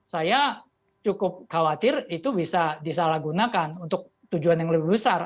saya cukup khawatir itu bisa disalahgunakan untuk tujuan yang lebih besar